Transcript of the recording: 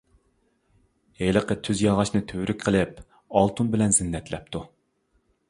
ھېلىقى تۈز ياغاچنى تۈۋرۈك قىلىپ ئالتۇن بىلەن زىننەتلەپتۇ.